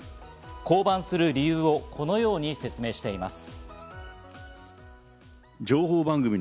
降板する理由をこのように説明しています。